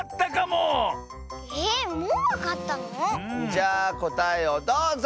じゃあこたえをどうぞ！